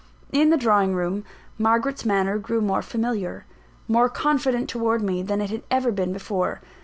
In the drawing room, Margaret's manner grew more familiar, more confident towards me than it had ever been before.